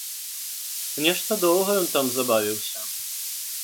Нешта доўга ён там забавіўся.